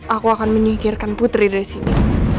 aku akan menyikirkan putri dari sini